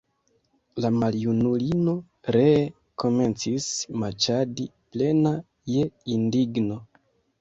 La maljunulino ree komencis maĉadi, plena je indigno.